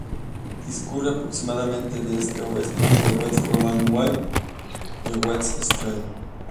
Discurre aproximadamente de este a oeste entre West Broadway y West Street.